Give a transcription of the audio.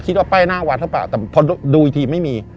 ว่าป้ายหน้าวัดหรือเปล่าแต่พอดูอีกทีไม่มี